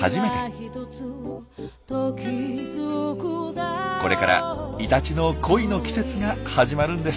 これからイタチの恋の季節が始まるんです。